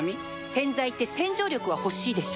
洗剤って洗浄力は欲しいでしょ